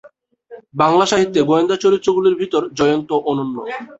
বাংলা সাহিত্যে গোয়েন্দা চরিত্রগুলির ভেতর জয়ন্ত অনন্য।